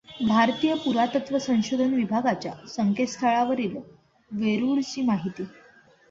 भारतीय पुरातत्व संशोधन विभागाच्या संकेतस्थळावरील वेरूळची माहिती.